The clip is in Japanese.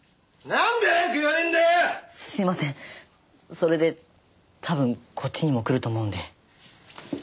それで多分こっちにも来ると思うんで。